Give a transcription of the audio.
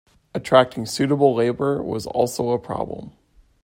Attracting suitable labour was also a problem.